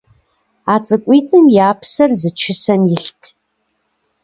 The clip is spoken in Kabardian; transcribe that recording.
А цӏыкӏуитӏым я псэр зы чысэм илът.